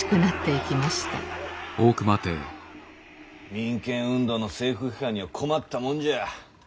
民権運動の政府批判には困ったもんじゃ。